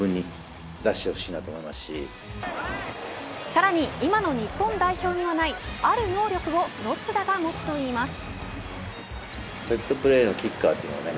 さらに今の日本代表にはないある能力を野津田が持つといいます。